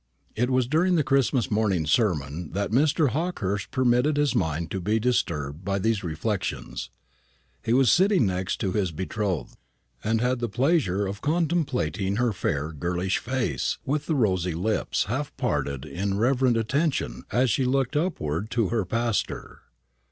It was during the Christmas morning sermon that Mr. Hawkehurst permitted his mind to be disturbed by these reflections. He was sitting next his betrothed, and had the pleasure of contemplating her fair girlish face, with the rosy lips half parted in reverent attention as she looked upward to her pastor.